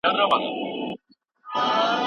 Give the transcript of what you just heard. ژوند د مرګ په لور د تللو تلوسه ده